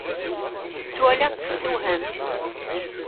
Ttwaliɣ-tt tessewham.